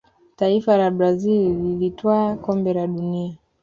taifa la brazil lilitwaa Kombe la dunia